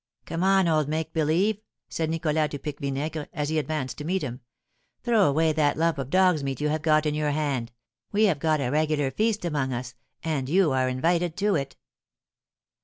"Come on, old Make believe!" said Nicholas to Pique Vinaigre, as he advanced to meet him. "Throw away that lump of dog's meat you have got in your hand; we have got a regular feast among us, and you are invited to it!"